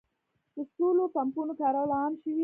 د سولر پمپونو کارول عام شوي.